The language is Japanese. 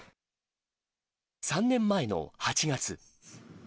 ３年前の８月。